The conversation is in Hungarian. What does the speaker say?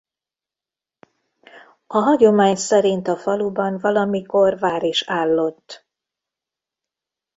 A hagyomány szerint a faluban valamikor vár is állott.